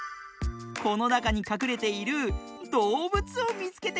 このなかにかくれているどうぶつをみつけてください。